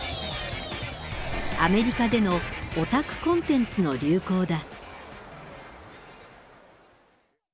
アメリカでの「オタクコンテンツ」の流行だ。